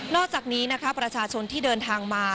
อกจากนี้นะคะประชาชนที่เดินทางมา